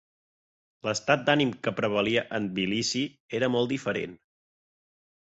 L'estat d'ànim que prevalia en Tbilissi era molt diferent.